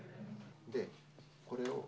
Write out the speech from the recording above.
でこれを。